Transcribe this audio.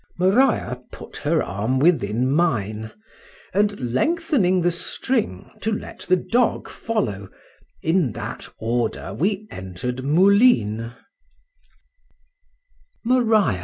—Maria put her arm within mine, and lengthening the string, to let the dog follow,—in that order we enter'd Moulines. MARIA.